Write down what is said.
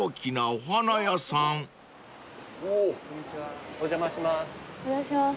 お邪魔します。